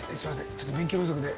ちょっと勉強不足で。